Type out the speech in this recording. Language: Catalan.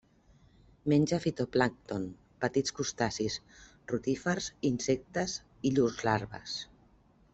Menja fitoplàncton, petits crustacis, rotífers i insectes i llurs larves.